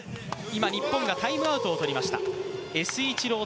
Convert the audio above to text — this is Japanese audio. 今、日本がタイムアウトを取りました。